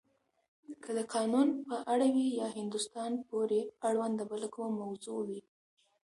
که د قانون په اړه وی یا هندوستان پورې اړونده بله کومه موضوع وی.